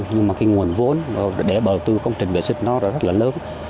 nhưng mà cái nguồn vốn để bầu tư công trình vệ sinh nó rất là lớn